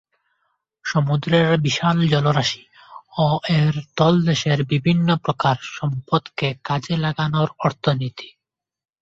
সমুদ্রের বিশাল জলরাশি ও এর তলদেশের বিভিন্ন প্রকার সম্পদকে কাজে লাগানোর অর্থনীতি।